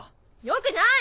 よくない！